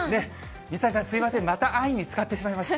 水谷さん、すみません、また安易に使ってしまいました。